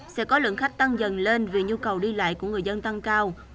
sẽ có lượng khách tăng dần lên vì nhu cầu đi lại của người dân tăng cao